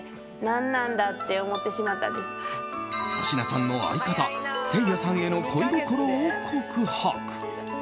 粗品さんの相方せいやさんへの恋心を告白。